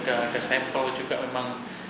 ada stemplow juga memang